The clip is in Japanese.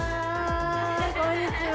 こんにちは。